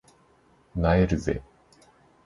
萎えるぜ